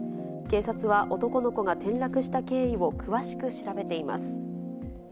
警察は男の子が転落した経緯を詳しく調べています。